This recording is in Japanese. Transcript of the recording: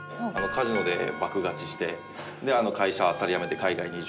カジノで爆勝ちしてで会社あっさり辞めて海外に移住した。